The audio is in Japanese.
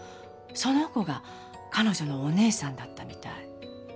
その子が彼女のお姉さんだったみたい。